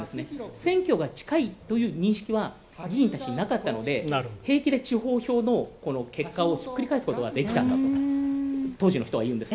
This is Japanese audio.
選挙が近いという認識は議員たちになかったので、平気で地方票の結果をひっくり返すことができたんだと当時の人はいうんです。